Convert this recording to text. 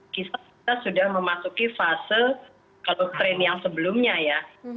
kita sudah memasuki fase kalau tren yang sebelumnya ya